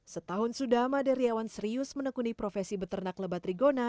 setahun sudah maderiawan serius menekuni profesi beternak lebat rigona